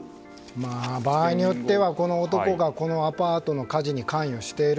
場合によっては、この男がこのアパートの火事に関与している。